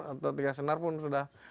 atau tiga senar pun sudah